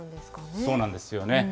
そうなんですよね。